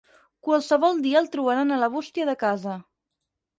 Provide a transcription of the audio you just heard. Qualsevol dia el trobaran a la bústia de casa.